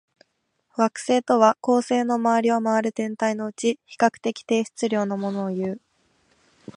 惑星とは、恒星の周りを回る天体のうち、比較的低質量のものをいう。